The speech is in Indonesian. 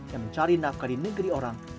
yang mencari nafkah di negeri orang